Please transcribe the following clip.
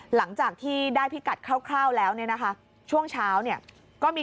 หลังจากที่ได้พิกัดคร่าวแล้วเนี่ยนะคะช่วงเช้าเนี่ยก็มี